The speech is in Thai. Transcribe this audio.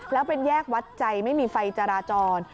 แล้วเป็นแยกวัดใจไม่มีไฟจราจร